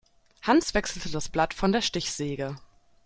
Hans wechselte das Blatt von der Stichsäge.